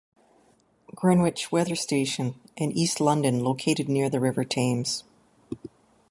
Greenwich - Weather Station in East London located near the river Thames.